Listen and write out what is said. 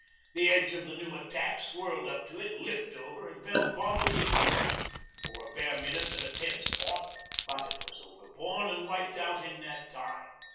The edge of the new attack swirled up to it, lipped over and fell bodily into it. For a bare minute the defence fought, but it was overborne and wiped out in that time.